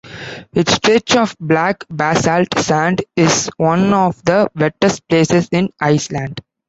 Its stretch of black basalt sand is one of the wettest places in Iceland.